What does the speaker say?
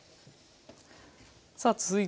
さあ続いて